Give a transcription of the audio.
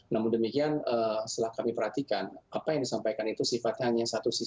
namun demikian setelah kami perhatikan apa yang disampaikan itu sifatnya hanya satu sisi